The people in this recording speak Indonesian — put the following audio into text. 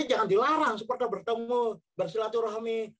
ini jangan dilarang supporter bertemu bersilaturahmi